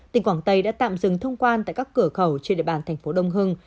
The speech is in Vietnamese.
tỉnh quảng tây đã tạm dừng thông quan tại các cửa khẩu trên địa bàn thành phố đông hưng